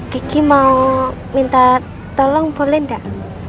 geki mau minta tolong boleh ndak